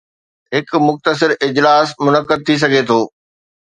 هڪ مختصر اجلاس منعقد ٿي سگهي ٿو